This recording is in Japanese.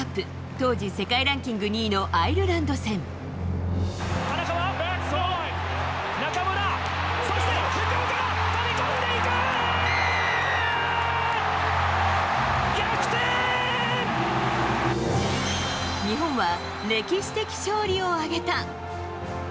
当時、世界ランキング２位のアイルランド戦。日本は歴史的勝利を挙げた。